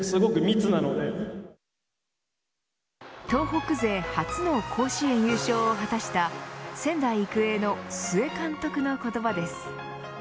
東北勢初の甲子園優勝を果たした仙台育英の須江監督の言葉です。